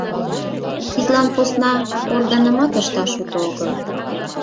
Тидлан посна органымат ышташ уто огыл.